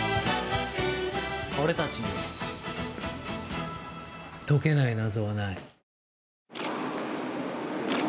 俺たちに解けない謎はない。